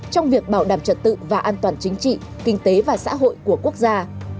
trong việc bảo đảm trật tự và an toàn chính trị kinh tế và xã hội của quốc gia